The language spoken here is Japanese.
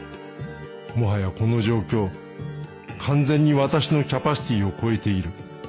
もはやこの状況完全に私のキャパシティーを超えている